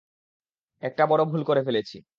একটা বড় ভুল করে ফেলেছি!